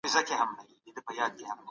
ته څوک یې؟